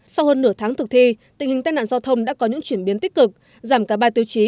sau hơn nửa tháng thực thi tình hình tai nạn giao thông đã có những chuyển biến tích cực giảm cả ba tiêu chí